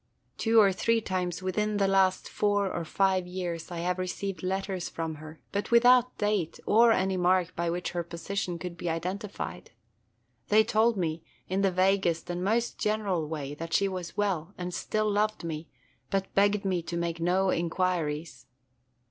Two or three times within the last four or five years I have received letters from her, but without date, or any mark by which her position could be identified. They told me, in the vaguest and most general way, that she was well, and still loved me, but begged me to make no inquiries.